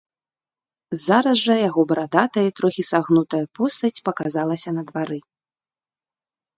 Зараз жа яго барадатая і трохі сагнутая постаць паказалася на двары.